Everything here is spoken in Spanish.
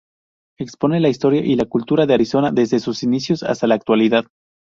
Expone la historia y la cultura de Arizona desde sus inicios hasta la actualidad.